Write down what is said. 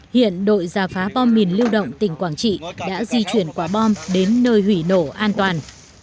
hiện đội giả phá bom mìn lưu động tỉnh quảng trị đã di chuyển quả bom đến nơi hủy nổ an toàn